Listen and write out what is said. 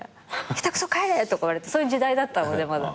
「下手くそ帰れ！」とか言われてそういう時代だったのでまだ。